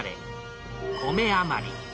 米余り。